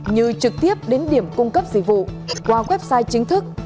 như trực tiếp đến điểm cung cấp dịch vụ qua website chính thức